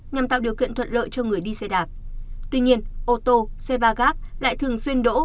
nhằm tạo điều kiện thuận lợi cho người đi xe đạp tuy nhiên ô tô xe ba gác lại thường xuyên đỗ